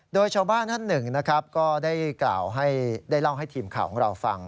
โดยชาวบ้านท่านหนึ่งก็ได้เล่าให้ทีมข่าวของเราฟัง